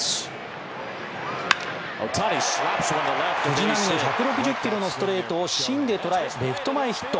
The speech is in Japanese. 藤浪の１６０キロのストレートを芯で捉えレフト前ヒット。